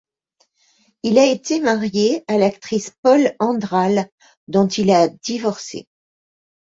Il a été marié à l'actrice Paule Andral, dont il a divorcé.